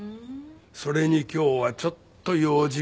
それに今日はちょっと用事があるから。